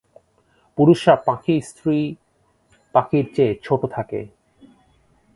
পুরুষরা পাখি স্ত্রী পাখির চেয়ে ছোট থাকে।